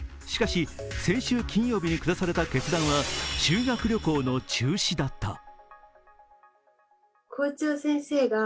しかし先週金曜日に下された決断は修学旅行の中止だった。